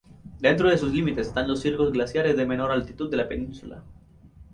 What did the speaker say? Dentro de sus límites están los circos glaciares de menor altitud de la península.